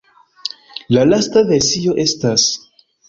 La lasta versio estas.